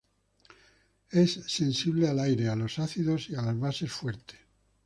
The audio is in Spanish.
Es sensible al aire, a los ácidos y a las bases fuertes.